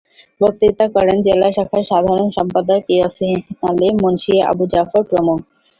বক্তৃতা করেন জেলা শাখার সাধারণ সম্পাদক ইয়াছিন আলী, মুন্সী আবু জাফর প্রমুখ।